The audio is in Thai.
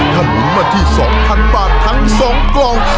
ถ้าหนุนมาที่๒๐๐๐บาททั้ง๒กล่อง